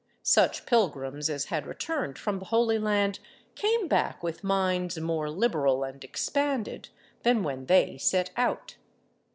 Such pilgrims as had returned from the Holy Land came back with minds more liberal and expanded than when they set out.